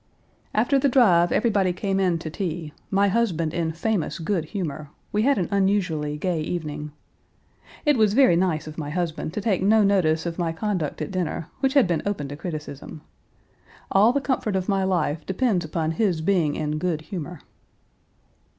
" After the drive everybody came in to tea, my husband in famous good humor, we had an unusually gay evening. It was very nice of my husband to take no notice of my conduct at dinner, which had been open to criticism. All the comfort of my life depends upon his being in good humor.